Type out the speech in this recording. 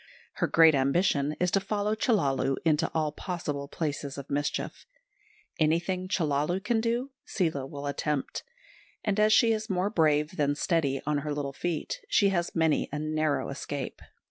Her great ambition is to follow Chellalu into all possible places of mischief. Anything Chellalu can do Seela will attempt; and as she is more brave than steady on her little feet, she has many a narrow escape.